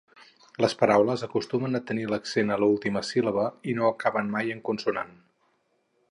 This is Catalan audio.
Les paraules acostumen a tenir l'accent a l'última síl·laba i no acaben mai en consonant.